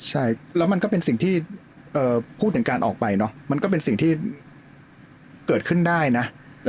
ใช่แล้วมันก็เป็นสิ่งที่พูดถึงการออกไปเนอะมันก็เป็นสิ่งที่เกิดขึ้นได้นะ